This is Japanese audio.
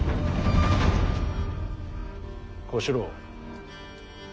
小四郎。